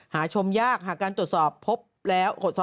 หาชมยากหากการตรวจสอบพบแล้ว